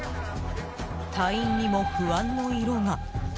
隊員にも不安の色が。